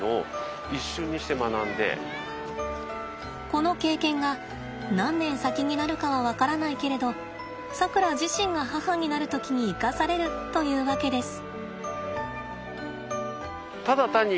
この経験が何年先になるかは分からないけれどさくら自身が母になる時に生かされるというわけです。